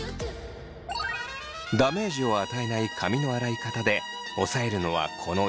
ダメージを与えない髪の洗い方で押さえるのはこの５つ。